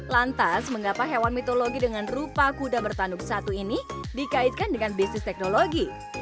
lantas mengapa hewan mitologi dengan rupa kuda bertanduk satu ini dikaitkan dengan bisnis teknologi